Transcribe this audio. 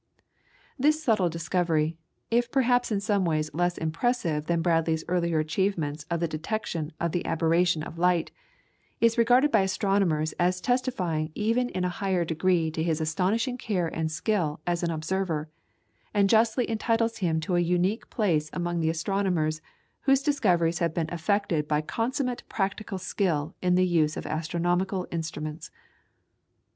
This subtle discovery, if perhaps in some ways less impressive than Bradley's earlier achievements of the detection of the aberration of light, is regarded by astronomers as testifying even in a higher degree to his astonishing care and skill as an observer, and justly entitles him to a unique place among the astronomers whose discoveries have been effected by consummate practical skill in the use of astronomical instruments.